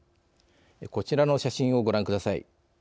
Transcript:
こちらの写真をご覧ください。